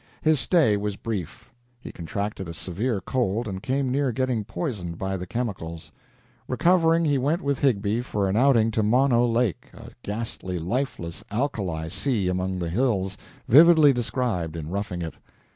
His stay was brief. He contracted a severe cold and came near getting poisoned by the chemicals. Recovering, he went with Higbie for an outing to Mono Lake, a ghastly, lifeless alkali sea among the hills, vividly described in "Roughing It."